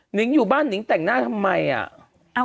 งอยู่บ้านหนิงแต่งหน้าทำไมอ่ะ